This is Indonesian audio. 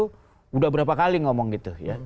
sudah berapa kali ngomong gitu ya